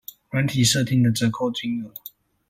軟體設定的折扣金額